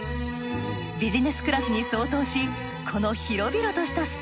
ビジネスクラスに相当しこの広々とした